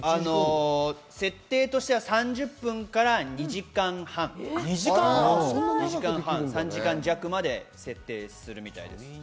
設定としては３０分から２時間半、３時間弱まで設定できるみたいです。